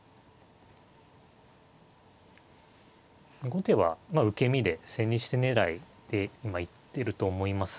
後手はまあ受け身で千日手狙いで今行ってると思います。